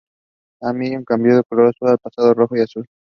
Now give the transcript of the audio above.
El maillot cambió el color pasando a ser de oro y azul.